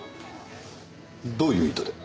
どういう意図で？